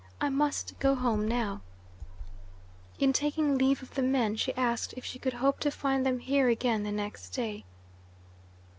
I must go home now." In taking leave of the men she asked if she could hope to find them here again the next day.